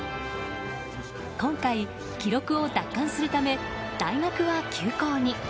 今回、記録を奪還するため大学は休校に。